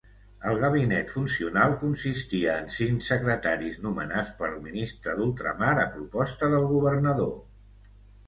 El gabinet funcional consistia en cinc secretaris nomenats pel ministre d'ultramar a proposta del governador.